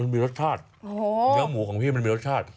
มีรสชาติเนื้อหมูของพี่มันมีรสชาติ